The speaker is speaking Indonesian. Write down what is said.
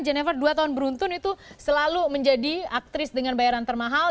jennifer dua tahun beruntun itu selalu menjadi aktris dengan bayaran termahal